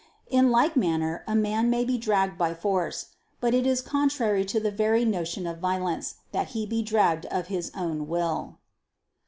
In like manner a man may be dragged by force: but it is contrary to the very notion of violence, that he be dragged of his own will.